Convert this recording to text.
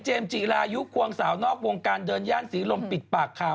เจมส์จีลายุคควงสาวนอกวงการเดินย่านสีลมปิดปากค่ะ